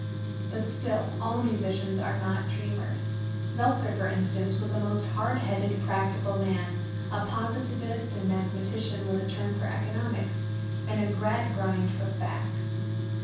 But still, all musicians are not dreamers. Zelter, for instance, was a most hard headed, practical man: a positivist and mathematician with a turn for economics, and a Gradgrind for facts.